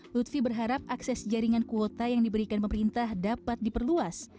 lutfi berharap akses jaringan kuota yang diberikan pemerintah dapat diperluas